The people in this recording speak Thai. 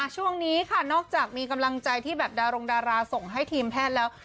ช่วงนี้ค่ะนอกจากมีกำลังใจที่แบบดารงดาราส่งให้ทีมแพทย์แล้ว